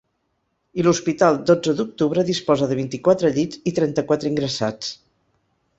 I l’hospital dotze d’octubre disposa de vint-i-quatre llits i trenta-quatre ingressats.